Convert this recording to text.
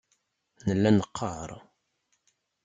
Nella neqqaṛ.